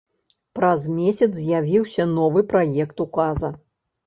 Праз месяц з'явіўся новы праект указа.